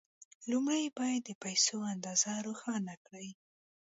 لومړی باید د پيسو اندازه روښانه کړئ.